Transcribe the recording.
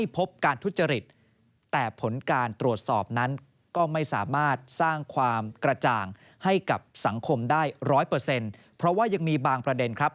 เพราะว่ายังมีบางประเด็นครับ